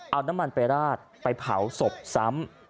เอาน้ำมันไปราดไปเผาศพซ้ำ